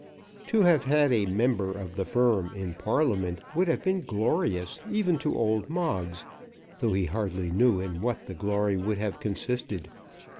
To have had a member of the firm in Parliament would have been glorious even to old Moggs, though he hardly knew in what the glory would have consisted.